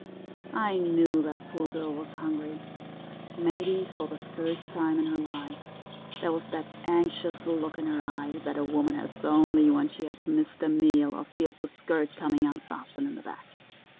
I knew that poor girl was hungry—maybe for the first time in her life. There was that anxious look in her eye that a woman has only when she has missed a meal or feels her skirt coming unfastened in the back.